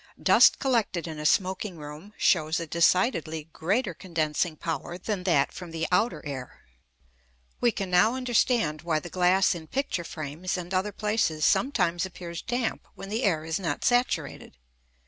Dust collected in a smoking room shows a decidedly greater condensing power than that from the outer air. We can now understand why the glass in picture frames and other places sometimes appears damp when the air is not saturated.